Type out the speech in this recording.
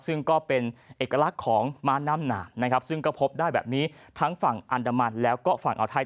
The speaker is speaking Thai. ซึ่งก็เป็นเอกลักษณ์ของม้าน้ำหนานะครับซึ่งก็พบได้แบบนี้ทั้งฝั่งอันดามันแล้วก็ฝั่งอ่าวไทย